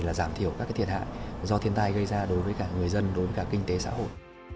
là giảm thiểu các thiệt hại do thiên tai gây ra đối với cả người dân đối với cả kinh tế xã hội